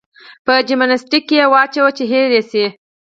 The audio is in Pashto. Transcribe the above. په جمناستيک کې يې واچوه چې هېر يې شي.